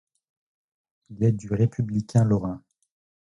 Il est du Républicain lorrain.